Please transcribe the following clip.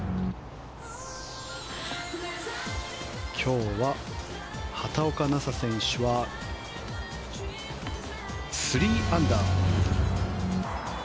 今日は畑岡奈紗選手は３アンダー。